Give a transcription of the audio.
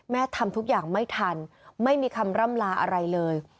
ทำทุกอย่างไม่ทันไม่มีคำร่ำลาอะไรเลย